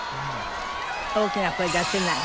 大きな声出せない。